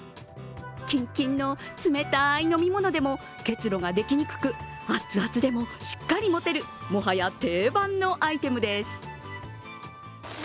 キンキンの冷たい飲み物でも結露ができにくく熱々でもしっかり持てる、もはや定番のアイテムです。